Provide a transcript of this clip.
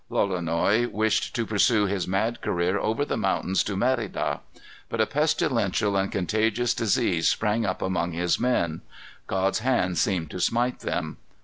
Lolonois wished to pursue his mad career over the mountains to Merida. But a pestilential and contagious disease sprang up among his men. God's hand seemed to smite them.